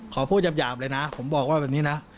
ขอพูดหยาบเลยนะผมบอกว่าแบบนี้นะ